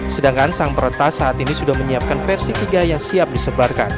sedangkan sang peretas saat ini sudah menyiapkan versi tiga yang siap disebarkan